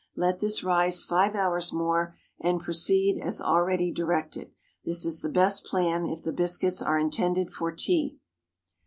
Let this rise five hours more, and proceed as already directed. This is the best plan if the biscuits are intended for tea.